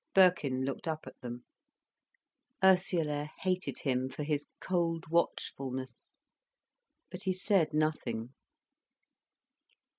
Birkin looked up at them. Ursula hated him for his cold watchfulness. But he said nothing.